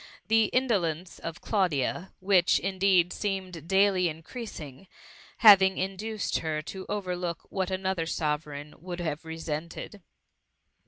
The indolence of Claudia, which, indeed, seemed daily increasing, having induced her to over look what another Sovereign would have re sented.